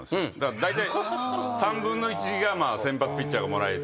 だいたい３分の１が先発ピッチャーがもらえて。